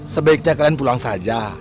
sebaiknya kalian pulang saja